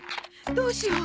どうしよう！